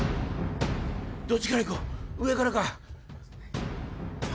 どっちからいこう上からか。